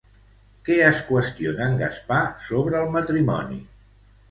Què es qüestiona en Gaspar sobre el matrimoni?